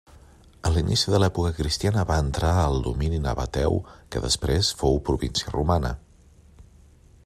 A l'inici de l'època cristiana va entrar al domini nabateu, que després fou província romana.